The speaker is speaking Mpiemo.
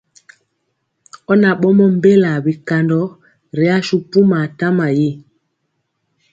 Ɔ na ɓɔmɔ mbelaa bikandɔ ri asu pumaa tama yi.